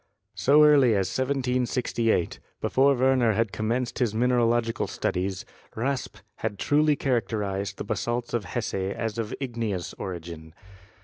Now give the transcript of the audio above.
So early as 1768, before Werner had commenced his mineralogical studies, Raspe had truly characterized the basalts of Hesse as of igneous origin.